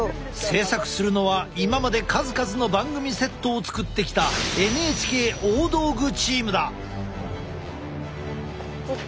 制作するのは今まで数々の番組セットを作ってきたＮＨＫ大道具チームだ！